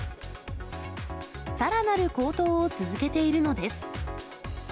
さらなる高騰を続けているのです。